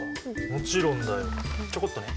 もちろんだよ。チョコっとね。